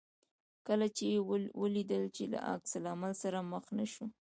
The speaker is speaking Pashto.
کله چې یې ولیدل چې له عکس العمل سره مخ نه شو.